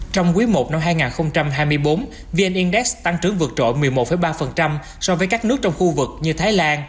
trong quý i năm hai nghìn hai mươi bốn vn index tăng trưởng vượt trội một mươi một ba so với các nước trong khu vực như thái lan